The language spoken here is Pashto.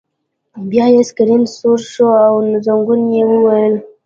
بیا یې سکرین سور شو او زنګونه یې ووهل